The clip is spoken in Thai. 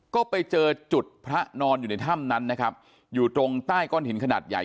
ก็ไปเจอจุดพระนอนอยู่ในถ้ำนั้นนะครับอยู่ตรงใต้ก้อนหินขนาดใหญ่